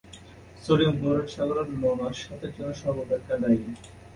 Sodium chloride সাগরের নোনা স্বাদের জন্য সর্বাপেক্ষা দায়ী।